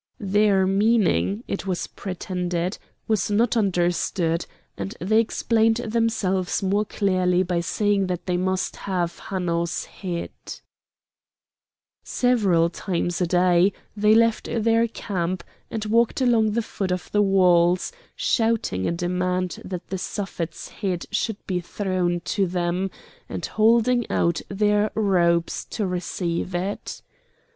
Their meaning, it was pretended, was not understood, and they explained themselves more clearly by saying that they must have Hanno's head. Several times a day, they left their camp, and walked along the foot of the walls, shouting a demand that the Suffet's head should be thrown to them, and holding out their robes to receive it.